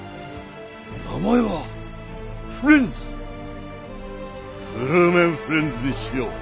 名前はフレンズフルーメンフレンズにしよう。